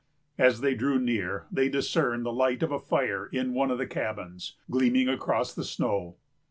As they drew near, they discerned the light of a fire in one of the cabins, gleaming across the snow.